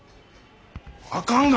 あかんがな。